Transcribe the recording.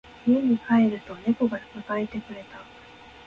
家に帰ると猫が迎えてくれた。